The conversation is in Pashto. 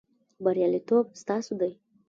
بریالیتوب ستاسو دی